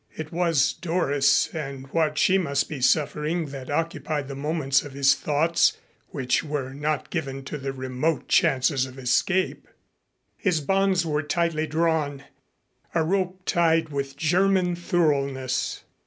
It was Doris and what she must be suffering that occupied the moments of his thoughts which were not given to the remote chances of escape. His bonds were tightly drawn a rope tied with German thoroughness.